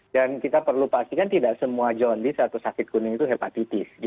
dan kita perlu pastikan tidak semua jaundice atau sakit kuning itu hepatitis